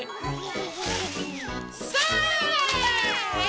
それ！